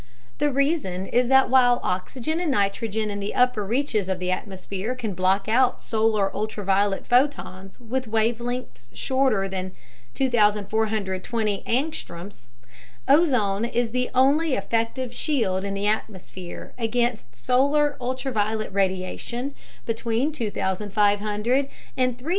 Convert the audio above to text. The reason is that while oxygen and nitrogen in the upper reaches of the atmosphere can block out solar ultraviolet photons with wavelengths shorter than 2,420 angstroms (A), ozone is the only effective shield in the atmosphere against solar ultraviolet radiation between 2,500 and 3,000 A in wavelength.